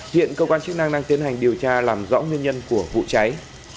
hiện cơ quan chức năng đang tiến hành điều tra làm rõ nguyên nhân của vụ cháy